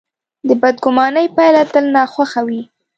د بدګمانۍ پایله تل ناخوښه وي.